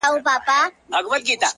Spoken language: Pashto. • مینه د انسان در پکښي غواړم اورنۍ ,